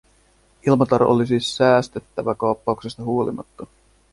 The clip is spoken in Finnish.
Ilmatar oli siis säästettävä kaappauksesta huolimatta.